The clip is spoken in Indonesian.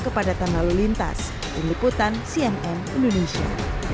kepadatan lalu lintas peniputan cnn indonesia